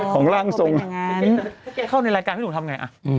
ของร่างทรง